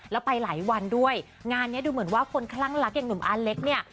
แล้วไปหลายวันด้วยงานเนี้ยดูเหมือนว่าคนคลั่งรักอย่างหนุ่มอาเล็กเนี่ย